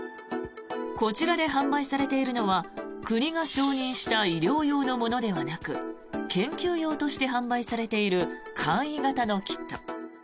こちらで販売されているのは国が承認した医療用のものではなく研究用として販売されている簡易型のキット。